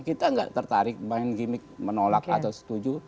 kita nggak tertarik main gimmick menolak atau setuju